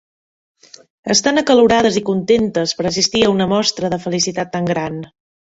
Estan acalorades i contentes per assistir a una mostra de felicitat tan gran.